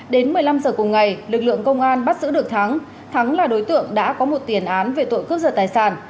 đến một mươi năm giờ cùng ngày lực lượng công an bắt giữ được thắng thắng là đối tượng đã có một tiền án về tội cướp giật tài sản